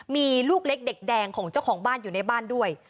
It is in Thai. มีลูกเล็กเด็กแดงของเจ้าของบ้านอยู่ในบ้านด้วย